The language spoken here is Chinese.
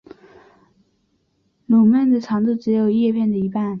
笼蔓的长度只有叶片的一半。